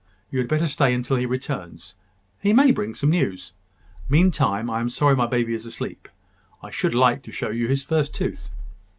You had better stay till he returns. He may bring some news. Meantime, I am sorry my baby is asleep. I should like to show you his first tooth."